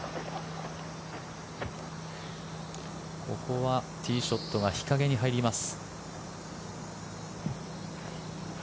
ここはティーショットが日陰に入ります。